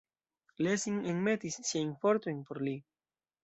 Lessing enmetis siajn fortojn por li.